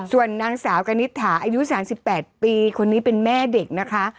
ส่วนนางสาวกณิตถาอายุ๓๘ปีคนนี้เป็นแม่เด็กนะคะ